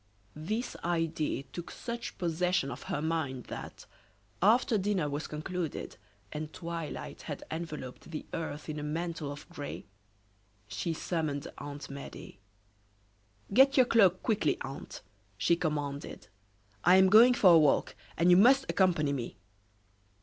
This idea took such possession of her mind that, after dinner was concluded, and twilight had enveloped the earth in a mantle of gray, she summoned Aunt Medea. "Get your cloak, quickly, aunt," she commanded. "I am going for a walk, and you must accompany me."